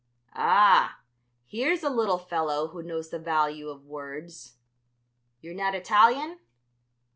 "Ah, here's a little fellow who knows the value of words. You're not Italian?"